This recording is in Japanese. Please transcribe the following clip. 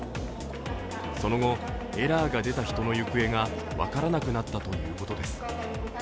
その後、エラーが出た人の行方が分からなくなったということです。